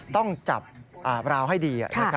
ต้องจับราวให้ดี